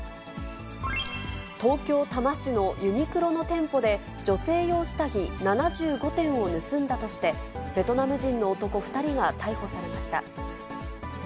東京・多摩市のユニクロの店舗で、女性用下着７５点を盗んだとして、ベトナム人の男２人が逮捕されました。